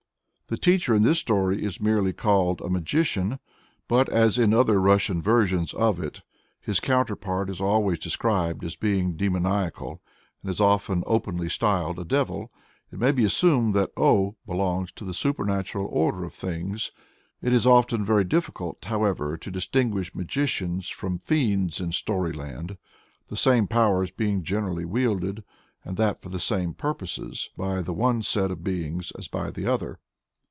The teacher, in this story, is merely called a magician; but as in other Russian versions of it his counterpart is always described as being demoniacal, and is often openly styled a devil, it may be assumed that Oh belongs to the supernatural order of beings. It is often very difficult, however, to distinguish magicians from fiends in storyland, the same powers being generally wielded, and that for the same purposes, by the one set of beings as by the other.